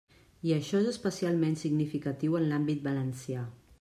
I això és especialment significatiu en l'àmbit valencià.